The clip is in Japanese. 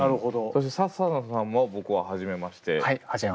そしてササノさんも僕は初めまして。